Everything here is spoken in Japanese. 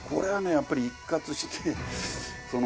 やっぱり一括して。